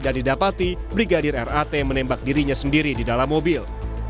dan didapati brigadir rat menembak dirinya sendiri di dalam mobil